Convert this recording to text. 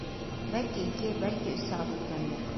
Бәлки, ике, бәлки, өс сәғәт үткәндер.